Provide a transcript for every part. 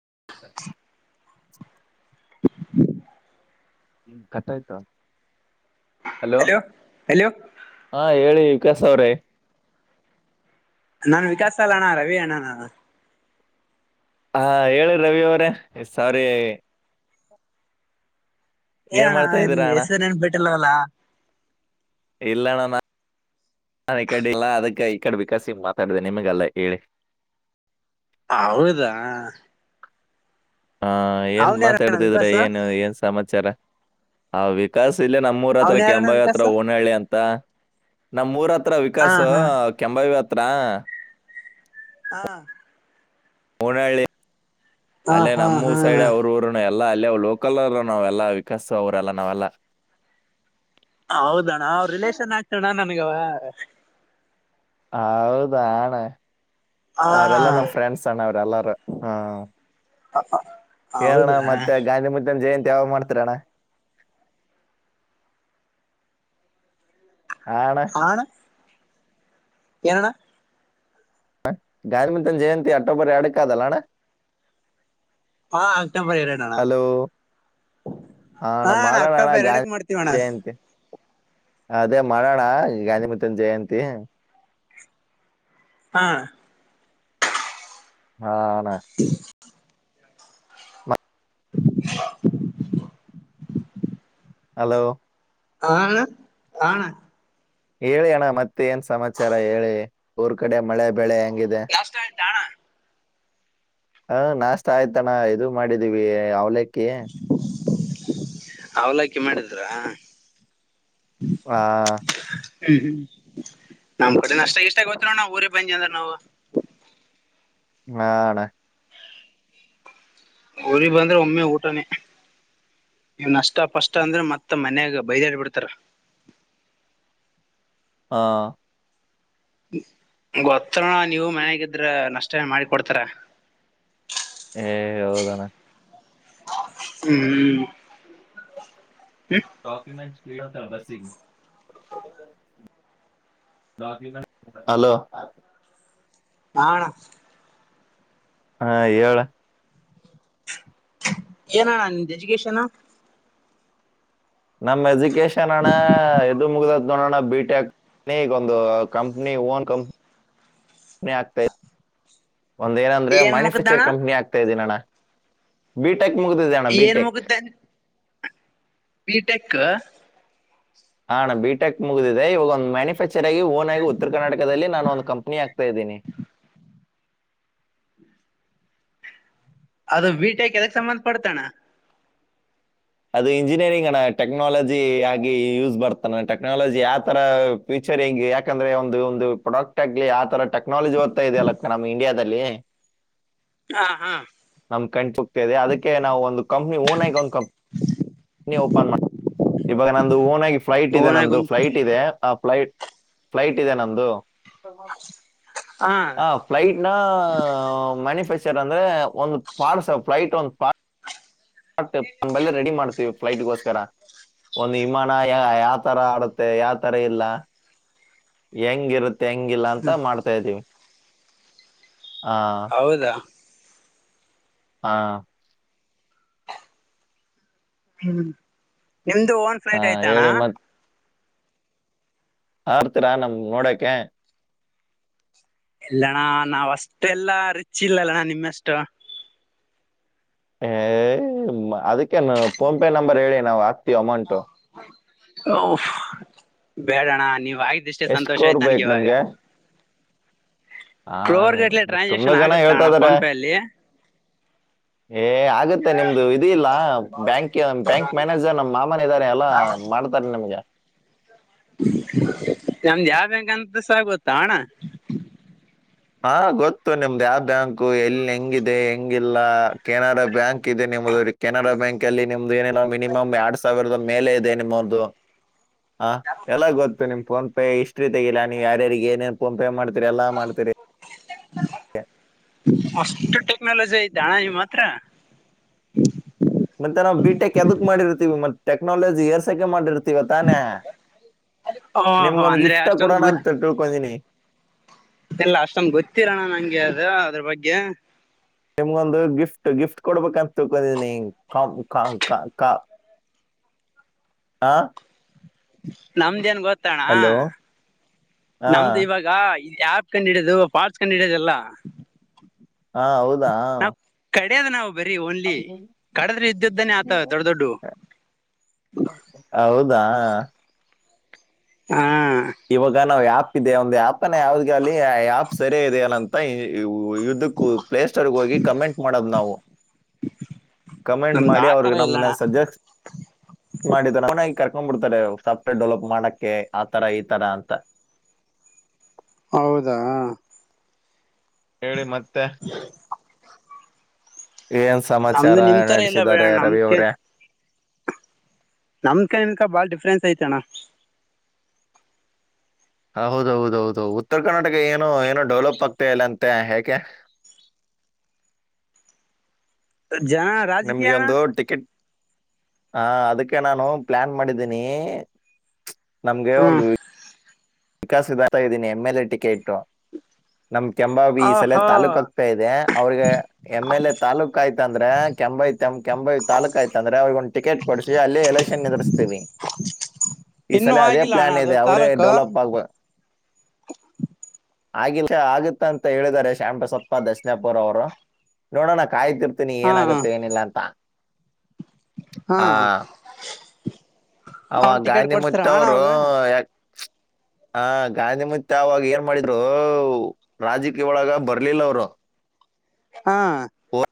[inaudible] ಹ್ಮ ಕಥ ಆಾಯ್ತು hello hello ಹಾ ಹೇಳಿ ಕೆೇಶರ ನಾನ್ ವಿಕಾಸ್ ಅಲ್ಲ ಅಣ್ಣ ರವಿ ಅಣ್ಣ ನ ಹಾ ಹೇಳಿ ರವಿ ಅವ್ರೇ ಸಾರಿ ಏನ್ ಏಣ್ಣ ಮಾಡ್ತಾ ಇನ್ ಇದೀರಾ ಅಣ್ಣ ಹೆಸನ್ ಬಿಟ್ಟಲ್ಲವಲ್ಲ ಇಲ್ಲಣ್ಣ ನಾ ನಾನ ಈ ಕಡೆ ಇಲ್ಲ ಅದಕ್ಕೆ ಈ ಕಡೆ ಬಿಕಾಸಿ ಮಾತಾಡಿದೆ ನಿಮಗೆಲ್ಲ ಹೇಳಿ ಹೌದಾ ಹಾ ಏನ್ ಅವನ್ ಯಾರಣ್ಣ ಮಾತಾಡ್ತಿದ್ರ ವಿಕಾಸ ಏನು ಏನ್ ಸಮಾಚಾರ ಹ ವಿಕಾಸ್ ಇಲ್ಲ ನಮ್ಮ ಮೂೂರ ಅವನ್ ಹತ್ರಕ್ಕೆ ಯಾರಣ್ಣ ಎಂಬೈ ವಿಕಾಸ ಹತ್ರ ಓನಹಳ್ಳಿ ಅಂತ ನಮ ಮೂರ್ ಹತ್ರ ಹಾ ವಿಕಾಸ ಹಾ ಕೆಂಬಾವ ಹತ್ರ ಹಾ ಹೋನಳ್ಳಿ ಹಾ ಅಲ್ಲೇ ಹಾ ಹಾ ನಮ್ಮೂರ್ ಸೈಡ್ ಅವ್ರ ಊರ ಎ ಎಲ್ಲ ಅಲ್ಲಿೇ ಲೋಕಲ್ಲ್ಲ ನಾವೆಲ್ಲಾ ವಿಕಸ್ ಅವ್ರಲ್ಲ ನಾವೆಲ್ಲ ಹೌದಣ್ಣ ಅವ್ರ ರಿಲೇಷನ್ ಆಗ್ತಣ್ಣ ನನ್ಗವ ಹೌದಾ ಹಣ್ಣ ಹಾ ಅವರೆಲ್ಲ ನಮ ಫ್ರೆಂಡ್ಸ್ ಅಣ್ಣ ಅವ್ರಲ್ಲಾರ ಹ ಹ ಕೇಣ ಮತ್ತೆ ಗಾಂಧಿ ಮದನ್ ಜಯಂತಿ ಯಾವ ಮಾಡತ್ರಣ ಆಣ ಏ ಅಣ್ಣ ಹ ಗಾಂಧಿ ಮಥನ್ ಜಯಂತಿ ಅಕ್ಟೋಬರ್ ಎರಡಕ್ಕಾದಲ್ಲ ಅಣ್ಣ ಹಾ ಅಕ್ಟೋಬರ್ ರಡುಣ ಹಣ ಮಾಡೋಣಣ ಅಕ್ಟೋಬರ್ ಎರಡಕ್ ಗಾಂಧಿ ಮಾಡ್ತೀವಣ್ಣ ಜಯಂತಿ ಅದೇ ಮಾಡೋಣ ಗಾಂಧಿ ಮನ್ ಜಯಂತಿ ಹಾ ಹಣ ಸಿ ಶಾ ಹಲೋ ಆಣ ಆಣ ಹೇಳಿ ಅಣ್ಣ ಮತ್ತೆ ಏನ್ ಸಮಾಚಾರ ಹೇಳಿ ಊರ್ ಕಡೆ ಮಳೆ ಬೆಳೆ ಕಷ್ಟ ಆಯ್ತಣ ಹಾ ನಾಷ್ಟತ ಆಯ್ತಾನ ಇದು ಮಾಡಿದೀವಿ ಅವಲ ಅವಲಕಿ ಮಾಡಿದ್ರಾ ಹಾ ಹ್ಮ್ ಹ್ಮ್ ನಮ್ ಕಡೆ ನಷ್ಟ ಇಷ್ಟ ಗೊತ್ತ ನಾವ್ ಊರಿ ಬಂದಿ ಅಂದ್ರ ನಾವು ಹಣ್ಣ ಉರಿ ಬಂದ್ರೆ ಒಮ್ಮೆ ಊಟನೇ ಇವ ನಷ್ಟ ಪಷ್ಟ ಅಂದ್ರೆ ಮತ್ತ ಮನ್ಯಾಗ ಬೈದಾಡ್ ಬಿಡ್ತಾರ ಹಾ ಗೊತ್ತಣ ನೀವು ಮನ್ಗಿದ್ರ ನಷ್ಟ ಮಾಡ ಕೊಡ್ತಾರ ಏ ಹೌದಣ ಹ್ಮ್ ಡಾಕ್ಯೂಮೆಟ್ಸ್ ಲೀಯೋಂತ ವಸಿಂಗ [unintelligible] ಹಲೋ ಹಾ ಹಾ ಹೇಳ ಏನಣ್ಣ ನಿ ಎಜುಕೇಶನ್ ನಮ್ ಎಜುಕೇಶನ್ ಅಣ್ಣ ಎದು ಮುಗ ನೋಣ ಬಿಟೆಕ್ಗ ಒಂದು ಕಂಪ್ನಿ ಓನ್ ಕಂಪ್ನಿ ಪ್ನಿ ಆಗ್ತಾ ಒಂದ ಏನಂದ್ರೆ ಏನ್ ಮ್ಯಾನುಫ್ಯಾಕ್ಚರ್ ಮುಗದಣ್ಣ ಕಂಪ್ನಿ ಆಗ್ತಾ ಇದೀನಣ್ಣ ಬಿಟೆಕ್ ಮುಗದೆ ಜಣ ಏನ್ ಬಿಟೆಕ್ ಮುಗುದನ್ ಬಿಟೆಕ್ ಹಾ ನಾನ್ ಬಿಟೆಕ್ ಮುಗಿದಿದೆ ಇವ ಒಂದ ಮ್ಯಾನುಫ್ಯಾಕ್ಚರ್ ಆಗ ಓ ಆಗಿ ಉತ್ತರ ಕರ್ನಾಟಕದಲ್ಲಿ ನು ಒ ಕಂಪನಿ ಆಗ್ತ ಪ್ಪದಿನಿ ಅದು ಬೀಟಕ್ ಎದಕ್ ಸಂಬಂಧ ಪಡ್ತಣ ಅದು ಇಂಜಿನಿಯರಿಂಗ್ ಅಣ್ಣ ಟೆಕ್ನಾಲಜಿ ಆಗಿ ಯೂಸ್ ಬರ್ತಾನ ಟೆಕ್ನಾಲಜಿ ಯಾವ ತರ ಫೂ ಸರಿ ಹಂಗಗೆ ಯಾಕಂದ್ರೆ ಒಂದು ಒಂದು ಪ್ರೊಡಕ್ಟ್ ಆಗ್ಲಿ ಆ ತರ ಟೆಕ್ನಾಲಜಿ ಓ್ತ ಇದದೆ ಅಲ್ಲಕ್ಕ ನಮ್ ಇಂಡಿಯಾದಲ್ಲಿ ಹ ಹಾ ನಮ ಕಣ್ಸುಗ್ತಾ ಇದೆ ಅದಕ್ಕೆ ನಾವು ಒಂದು ಕಂಪ್ನಿ ಓನ್ ಆಗ ಒಂದು್ ಕಂಪ್ನಿ ಓಪನ್ ಮಾಡ ಇವಾಗ ನಂದು ಊನಿ ಫ್ಲೈಟ್ ಇದೆ ಓನಾಗ ನಂದು ಒಂದ್ ಫ್ಲೈಟ್ ಇದೆ ಆ ಫ್ಲೈಟ್ ಫ್ಲೈಟ್ ಇದೆ ನಮ್ದು ಹ ಫ್ಟ್ನಾ ಮ್ಯಾನಿಫ್ಯಾಕ್ಚರ್ ರ್ ಅಂದ್ರೆ ಒಂದು ಪಾರ್ಟಸ್ ಫ್ಲೈಟ್ ಒಂದ್ ಪ ಆ ನೆಲ್ಲ ರೆಡಿ ಮಾಡ್ತೀವಿ ಫ್ಲೈಟ್ಗೋಸ್ಕರ ಒಂದು್ ವಿಮಾನ ಯ ಯಾವ ತರ ಆಡುತ್ತೆ ಯಾವ ತರ ಇಲ್ಲ ಹೆಂಗಿರುತ್ತೆ ಹೆಂಗಿಲ್ಲ ಅಂತ ಮಾಡ್ತಾ ಇದ್ದೀವಿ ಹೌದಾ ಹಾ ಹ್ಮ್ ನಿಮ್ದು ಓನ್ ಆ, ಫ್ಲೈಟ್ ಐತಣ್ಣ ಹೇಳಿ ಆರ್ತರಾ ನಮ ನೋಡಕ ಇಲ್ಲಣ್ಣ ನಾವ ಅಷ್ಟೆ ಎಲ್ಲಾ ರುಚಿ ಇಲ್ಲಲ್ಲಣ್ಣ ನಿಮ್ಮಷ್ಟ ಏ ಅದಕ್ಕೆೇನು ಫೋನ್ ಪೇ ನಂಬರ್ ಹೇಳಿ ನಾವವು ಓ ಬೇಡಣ ನೀವು ಆ್ದಿಷ್ಟೇ ಎಷ್ಟ್ ಸಂತೋಷ ಕೋರ್ ಆಯ್ತು ನನಗೆ ಇವಾಗ ಕ್ರೋರ್ ಗಟ್ಲೆ ಹ ತುಂಬಾ ಟ್ರಾನ್ಸಾಕ್ಷನ್ ಜನ ಆಗುತ್ತಾ ಅಣ್ಣ ಹೇಳ್ತಾರೆ ಫೋನ್ ಪೇ ಅಲ್ಲಿ ಏ ಆಗುತ್ತೆ ನಿಮ್ದು ಇದ ಇಲ್ಲ ಬ್ಯಾಂಕ್ ಬ್ಯಾಂಕ್ ಮ್ಯಾನೇಜರ್ ನಮ್ ಮಾಮನ ಇದಾರೆ ಎಲ್ಲ ಮಾಡ ಮಗೆ [unintelligible] ನಮ್ದ ಯಾವ ಬ್ಯಾಂಗಂತಸ ಗೊತ್ತ ಅಣ ಹಾ ಗೊತ್ತು ನಿಮ್ದ್ ಯಾವ ಬ್ಯಾಂಕ್ ಎಲ್ಲಿ ಹೆಂಗಿದೆ ಹೆಂಗಿಲ್ಲ ಕೆನರಾ ಬ್ಯಾಂಕ್ ಇದೆ ನೀ ನಿಮ ಕೆನರಾ ಬ್ಯಾಂಕ್ ಅಲ್ಲಿ ನಿಮ್ದು ಏನಲ್ಲ ಮಿನಿಮಮ್ ಎರಡ್ ಸಾವಿರದ ಮೇಲೆ ಇದೆ ನಿಮ್ಮು ಹಾ ಎಲ್ಲ ಗೊತ್ತು ನಿಮ ಫೋನ್ ಪೇ ಹಿಸ್ಟ್ರಿ ತಗಿಲ್ಲ ನೀವು ಯಾರಿಗೆ ಏೇನ್ ಫೋನ್ ಪೇ ಮಾಡ್ತಿರಿ ಎಲ್ಲ ಮಾಡ್ತೀರಿ ಅಷ್ಟು ಟೇಲೆಂಟ್ ಐತಿ ಜಾಣ ಈ ಮಾತ್ರ ಮತ್ತೆ ನಾವವು ಬಿ ಟೆಕ್ ಎದಕ್ ಮಾಡಿರ್ತಿೀವಿ ಮತ್ತೆಟೆಕ್ನಾಲಜಿ ಎರ್ ಕ ಮಾಡಿರ್ತೀವ ತಾನೇ ಓಹೋ ನಿಮ್ಗೊಂದ್ ಅಂದ್ರೆ ಗಿಫ್ಟ ಕೂಡ ನಾನು ತಿಳ್ಕೊಡೀನಿ ಇಲ್ಲ ಅಷ್ಟೊಂದು ಗೊತ್ತಿರೋಣ ನಂಗೆ ಅದು ಅದ್ರ ಬಗ್ಗೆ ನಿಮ್ಗೊಂದು ಗಿಫ್ಟ್ ಗಿಫ್ಟ್ ಕೊಡ್ಬೇಕಂತ ತಿಕೊಂಡಿನಿ ಕಾ ಕಾ ಕಾ ಹ ನಮ್ದೇನ್ ಗೊತ್ತಣ ಹಾ ನಮ್ದು ಇವಾಗ ಆಪ್ ಕಂಡು ಹಿಡೋದು ಫಾಸ್ ಕಂಡು ಹಿಡೋದಲ್ಲ ಹಾ ಹೌದಾ ಕಡ್ಯದ ನಾವು ಬರೀ ಓನ್ಲಿ ಕಡದ್ರೆ ಇದಿದ್ಯುದ್ದಾನೇ ಆತ ದೊಡ್ಡ ದೊಡ್ಡು ಹೌದಾ ಹಾ ಇವಾಗ ನಾವ ಆ್ಯಪ್ ಇದೆ ಒಂದ್ ಆ್ಯಪ್ನ ಯಾವ್ದ್ಗಲ್ಲಿ ಆ್ಯಪ್ ಸರಿಯ ಇದೆ ಏನಂತ ಇದುಕು ಪ್ಲೇ ಸ್ಟೋರ್ ಹೋಗಿ ಕಮೆಂಟ್ ಮಾಡದು ನಾವು ಕಮೆಂಟ್ ನಮ್ದು ಮಾಡಿ ಅವ್ರ ಆತರ ನಮ್ಗೆ ಇಲ್ಲಣ್ಣ ಸಜೆಸ್ಟ್ ಮಾಡ ಪುನ ಕಕೊಂಡ್ ಬಿಡ್ತಾರೆ ಸಾಫ್ಟ್ವೇರ್ ಡೆವಲಪ್ ಮಾಡಕ್ಕೆ ಆ ತರ ಈ ತರ ಅಂತ ಹೌದಾ ಹೇಳಿ ಮತ್ತೆ ಏನ್ ಸಮಾಚಾರ ನಮ್ದು ನಿಮ್ ತರ ಇಲ್ಲ ನಡೆಸಿದ್ದಾರೆ ಬಿಡಣ ನಮ್ ರವಿ ಅವ್ರೇ ನಮ್ಕ ನಿಮ್ಕ ಬಾಳ ಡಿಫ್ರೆನ್ಸ್ ಐತಣ್ಣ ಹೌದ ಹೌದ ಹೌದು ಉತ್ತರ ಕರ್ನಾಟಕ ಏನು ಏನೋ ಡೆವಲಪ್ ಆಗ್ತಲ್ಲ ಅಂತೆ ಹೇಕೆ [inaudible] ಜನ ನಿಮ್ಗೆ ರಾಜಕೀಯ ಅಣ್ಣ ಒಂದು ಟಿಕೆಟ್ ಹಾ ಅದಕ್ಕೆ ನಾನು ಪ್ಲಾನ್ ಮಾಡಿದ್ದೀನಿ ನಮ್ಗೆ ಹ್ಮ್ ಒಂದು ವಿಕಾಸ್ಧಾತಾ ಇದ್ದೀನಿ ಎಂಎಲ್ಎ ಟಿಕೆ ಇಟ್ಟು ನಮ್ ಕೆಂಂಬಬಿ ಸಲ ಓಹೋ ತಾಲೂಕು ಆಗ್ತಾ ಇದೆ ಅವ್ರಿಗೆ ಎಮ್ ಎಲ್ ಎ ತಾಲೂಕ್ ಆಯ್ತ ಅಂದ್ರೆ ಕೆಂಬಿ ಕೆಂಬ ತಾಲೂಕ ಆಯತ ಅಂದ್ರೆ ಅವ್ರಗ ಒಂದು ಟಿಕೆಟ್ ಕೊಡ್ಸವಿ ಅಲ್ಲಿ ಎಲೆಕ್ಷನ್ ನಿದುರ್ಸ್ತೀವಿ ಈ ಇನ್ನೂ ಸಲ ಅದೇ ಆಗಿಲ್ಲ ಅಣ್ಣ ಪ್ಲಾನ್ ಅದು ಇದೆ ಅವರೇ ತಾಲೂಕು ಡೆವಲಪ್ ಆಗಿ ಆಗುತ್ತ ಅಂತ ಹೇಳಿದಿದ್ದಾರೆ ಶ್ಯಾಮಟಸತ್ಪ ದಶಣಪುರ್ ಅವ್ರು ನೋಡೋಣ ಕಾಯ್ತಿರ್ತೀನಿ ಹಾ ಏನಾಗತ್ತೆ ಏನಿಲ್ಲ ಅಂತ ಹಾ ಆ ಅವ ಅವನ್ ಟಿಕೆಟ್ ಗಾಂಧಿಮುತ್ತ ಕೊಡ್ಸ್ತಾರಣ ಅವಾಗ ಹ ಗಾಂಧಿ ಮತ್ತೆ ಆಗ ಏನ್ ಮಾಡಿದ್ರು ರಾಜಕೀಯ ಒಳಗ ಬರ್ಲಿಲ್ಲ ಅವ್ರು ಹಾ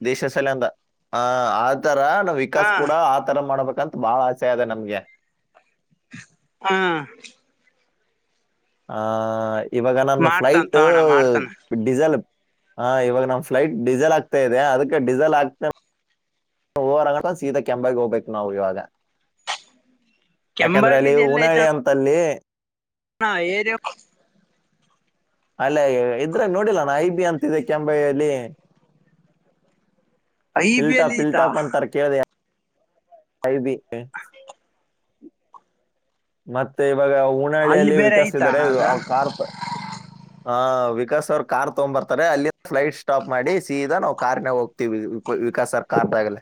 ದೇಶ ಸಲ ಅಂದ ಆ ಆತರ ನಾ ಹಾ ವಿಕಾಸ್ ಕೂಡ ಆತರ ಮಾಡ್ಬೇಕ ಅಂತ ಬಾಳ ಆಸೆ ಅದೆ ನಮ್ಗೆ ಹಾ ಆ ಇವಾಗ ನನ್ನ ಮಾಡ್ತಾನ ಫ್ಲೈಟ್ ತಗೋಣ ಮಾಡ್ತಾನ ಡಿಸೆಲ್ ಹಾ ಇವಾಗ ನಮ್ ಫ್ಲೈಟ್ ಡೀಸೆಲ್ ಆಗ್ತಾ ಇದೆ ಅದಕ್ಕೆ ಡಿಸೆಲ್ ಆಗ್ತ ಊವರ ಅಂಗ ಸೀತ ಕೆಂಪೈ ಗೋಪೈಕ್ ಹೋಗ್ಬೇಕು ಇವಾಗ ಯಾಕಂದ್ರೆ ಅಲ್ಲಿ ಕೆಂಬಾವಿಲಿ ಉನಾಳಿ ಅಂತಲ್ಲಿ ಹ ಏನು ಅಲ್ಲೇ ಇದ್ರಾಗ ನೋಡಿಲ್ಲ ನ ಐ ಬಿ ಅಂತಿದೆ ಕೆಂಬೈಲ್ಲಿ ಐ ಬಿ ಇಲ್ಟಾ ಅಲ್ಲಿ ಪ ಐತಾ ಇಲ್ಟಾ ಪ ತರ ಕೇಳ ಐಬಿ ಮತ್ತೆ ಇವಾಗ ಅಲ್ಲಿ ಹುನಳ್ಳಿಯಲ್ಲಿ ಬೇರೆ ಐತಾ ವಿಕಸಿದ್ದಾರೆ ಅಣ್ಣ ಅದು ಅ ಕಾರ್ ಹ ವಿಕಾಸ್ ಅವರು ಕಾರ್ ತಗ್ಂಬ ಬರ್ತಾರೆ ಅಲ್ಲಿ ಫ್ಲೈಟ್ ಸ್ಟಾಪ್ ಮಾಡಿ ಸೀದಾ ನಾವು ಕಾರ್ ನ ಹೋಗ್ತೀವಿ ವಿಕ ಸರ್ಕಾರದಗಲೆ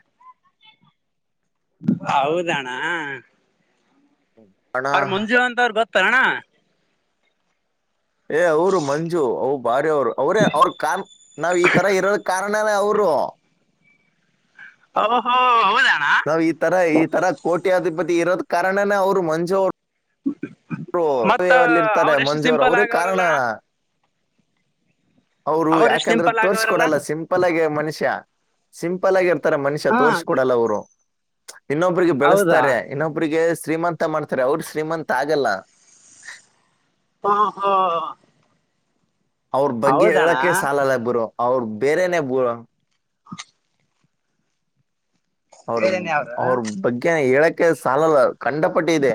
ಹೌದಣ ಅಣ್ಣ ಅವ್ರ ಮಂಜು ಅಂತ ಅವ್ರರು ಗತ್ತಾರ ಅಣ್ಣ ಏ ಅವ್ರು ಮಂಜು ಅವ ಬಾರಿ ಅವರು ಅವರೇ ಅವ್ರ ಕ ನಾವ್ ಈ ತರ ಇರೋದ ಕಾರಣ ಅವರು ಕಬ್ರೋ ಓ ಹೋ ಹೌದಾ ನಾವ್ ಈ ತರ ಈ ತರ ಕೋಟಿ ಅಧಿಪತಿ ಇರೋದ ಕಾರಣನ ಅವ್ರು ಮಂಜು ಅವರು ಮತ್ತ ಲ್ಲಿ ಇರ್ತಾರೆ ಅವ್ರ ಎಷ್ಟು ಮಂಜೂರ್ ಸಿಂಪಲ್ ಅವ್ರಿಗೆ ಆಗವ್ರಲ್ಲಣ್ಣ ಕಾರಣನಾ ಅವ್ರು ಅವ್ರ ಎಷ್ಟ್ ಯಾಕಂದ್ರೆ ಸಿಂಪಲ್ ತೋರ್ರಿಸಕ ಆಗವ್ರಲ್ಲ ಕೊಡಲ್ಲ ಸಿಂಪಲ್ ಆಗಿ ಮನುಷ್ಯ ಸಿಂಪಲ್ ಆಗಿರ್ ತರ ಮನುಷ್ಯ ಹಾ ತೋರಿಸ್ ಕೊಡಲ್ಲ ಅವರು ಇನ್ನೊಬ್ಬ್ರಿಗೆ ಹೌದಾ ಬೆಳೆಸ್ತಾರೆ ಇನ್ನೊಬ್ರಿಗೆ ಶ್ರೀಮಂತ ಮಾಡ್ತಾರೆ ಅವ್ರ ಶ್ರೀಮಂತ ಆಗಲ್ಲ ಹಾ ಹಾ ಅವ್ರ ಬಗ್ಗೆ ಹೌದಣ್ಣ ಹೇಳಕೆ ಸಾಲಲ್ಲ ಬುರ ಅವ್ರರು ಬೇರೆನೆೇ ಬುರ ಅವ್ರ ಬೇರೆನೆ ಅವರು ಅವ್ರ ಬಗ್ಗೆನ ಹೇಳಕ್ಕೆ ಸಾಲಲ್ಲ ಕಂಡಪಟ್ಟಿದೆ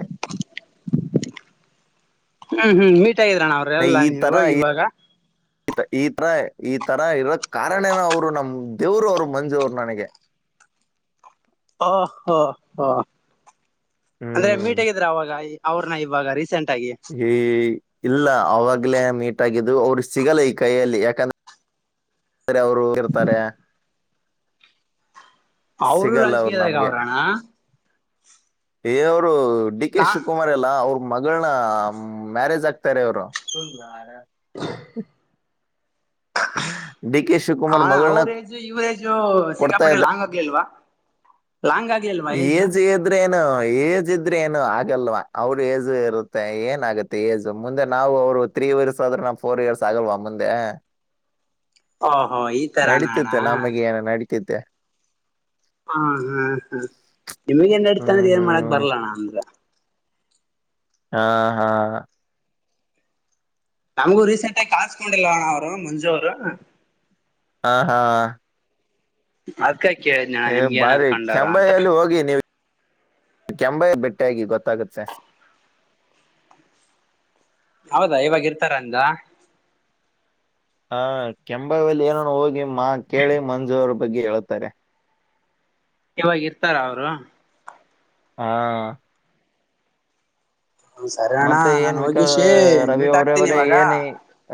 ಹ್ಮ್ ಹ್ಮ್ ಮೀಟ್ಗಿದ್ರಣ ಅವ್ರ ಎಲ್ಲಾ ಈ ತರ ನೀವು ಇವಾಗ ಈ ಈ ತರ ಈ ತರ ಇರೋಕ್ ಕಾರಣೇನ ಅವರು ನಮ್ ದೇವ್ರು ಅವರು ಮಂಜು ಅವರು ನನಗೆ ಹಓ ಹೋ ಹ ಅಂದ್ರೆ ಹ್ಮ್ ಮೀಟಗಿದ್ರ ಅವಾಗ ಅವ್ರನ್ನ ಇವಾಗ ರ ಹ ಇಲ್ಲ ಅವಾಗ್ಲೇ ಮೀಟ್ಾಗಿದ್ದು ಅವರು ಸಿಗಲ್ಲ ಈ ಕೈಯಲ್ಲಿ ಯಾಕಂದ್ರ ಸ ಅವರು ಹ ಇರ್ತಾರೆ ಅವರುೂ ಸಿಗಲ್ಲ ಅವ್ರು ರಾಜಕೀಯದಾಗ ಅವ್ರಣ್ಣ ಇವ್ರು ಡಿ ಕೆ ನಾ ಶಿವಕುಮಾರ್ ಎಲ್ಲಾ ಅವ್ರ ಮಗಳನ್ನ ಮ್ಯಾರೇಜ್ ಆಕ್ ಾರೆ ಅವರು ಡಿ ಕೆ ಶಿವಕುಮಾರ್ ಹಣ ಮಗಳನ್ನ ಅವ್ರೇಜು ಇವ್ರೇಜು ಕೊಡ್ತಾ ಸಿಕ್ಕಾಪಟ್ಟ ಇದ್ದ ಲ ಹಂಗೋಗಲಿಲ್ವಾ ಏಜದ್ರೆ ಏ ಏಜ್ ಇದ್ರೆ ಏನು ಆಗಲ್ವಾ ಅವ್ರ ಏಜ್ ಇರುತ್ತೆ ಏನಗುತ್ತೆ ಏಜ್ ಮುಂದೆ ನಾವು ಅವರು ತ್ರೀ ಇಯರ್ಸ್ ಆದ್ರೆ ನಾ ಫೋರ್ ಇಯರ್ಸ್ ಆಗಲ್ವಾ ಮುಂದೆ ಹ ನಡೀತಿದ್ದೆ ನಮಗೆ ಏನ ನಡೀತಿದ್ದೆ ಹಾ ಹಾ್ ಹಾ ನಿಮಗ ನ್ ಇಡ್ತಾನ ಹ್ಮ್ ಏನ್ ಮಾಡಕ್ ಹ್ಮ್ ಬರ್ಲಣ ಅಂದ್ರ ಹಾ ಹಾ ನಮಗೂ ರೀಸೆಂಟ್ ಆಗಿ ಕಸ್ಕೊಂಡಿಲ್ಲವಣ ಅವರು ಮಂಜು ಅವರು ಹಾ ಹಾ ಹಾ ಅದ ಏ ಬಾರಿ ಕೆಂಬಯ್ಯಲ್ಲಿ ಹೋಗಿ ನೀವು ಕೆಯಟ್ಟ ಟ್ಟಾಗಿ ಗೊತ್ತಾಗುತ್ತೆ ಹೌದಾ ಇವಾಗ ಇರ್ತಾರ ಅಂದ ಹ ಕೆಂಬಾವಲ್ಲಿ ಏನನು ಹೋಗಿ ಮಾ ಕೇಳಿ ಮಂಜು್ರ ಬಗ್ಗೆ ಹೇಳೇಳ್ತಾರೆ ಇವಾಗ ಇರ್ತಾರ ಅವರು ಹಾ ಸರಿ ಅಣ್ಣ ಮತ್ತೆ ನಾನು ಏನ್ ವಿಕಾ ಹೋಗಿಸಿ ರವಿ ಮೀಟ್ ಆಗ್ತೀನಿ ಅವರವರ ಇವಾಗ ಏನ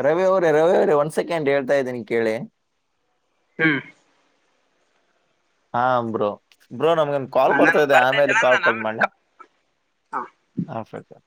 ರವಿ ಅವರು ರವ ಒ್ ಸೆಕೆಂಡ್ ಹೇಳ್ತಾ ಇದ್ದೀನಿ ಕೇಳಿ ಹ್ಮ್ ಹಾ ಬ್ರೋ ಬ್ರೋ ನಮ್ಗಂದು ಕಾಲ್ ನನ್ ಬರ್ತಾ ಇದೆ ಬರ್ತೈತೆ ಆಮೇಲೆ ಅಣ್ಣ ಕಾಲ್ ನಾನ್ ಕೊಲ್ ಆಮೇಲೆ ಮಾಡೆ ಕ ಹಾ ಹಾಂ